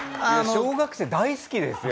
小学生大好きですよ